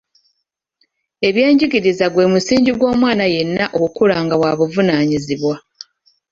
Ebyenjigiriza gwe musingi gw’omwana yenna okukula nga wa buvunaanyizibwa.